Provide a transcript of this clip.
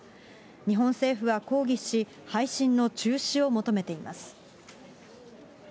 日本政府は抗議し、配信の中止を求めています。